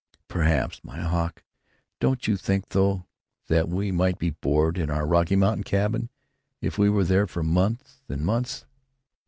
"Perhaps, my Hawk.... Don't you think, though, that we might be bored in your Rocky Mountain cabin, if we were there for months and months?"